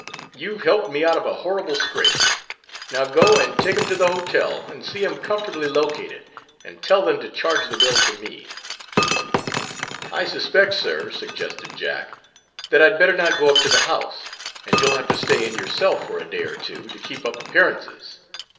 "You 've helped me out of a horrible scrape. Now, go and take him to the hotel and see him comfortably located, and tell them to charge the bill to me." "I suspect, sir," suggested Jack, "that I'd better not go up to the house, and you 'll have to stay in yourself for a day or two, to keep up appearances.